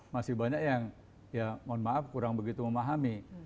masih banyak yang ya mohon maaf kurang begitu memahami